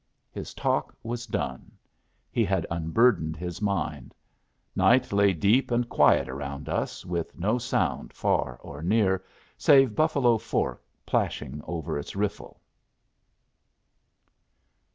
His talk was done. He had unburdened his mind. Night lay deep and quiet around us, with no sound far or near, save Buffalo Fork plashing over its riffle.